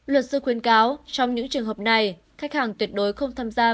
luật sư khuyến cáo trong những trường hợp này khách hàng tuyệt đối không tham gia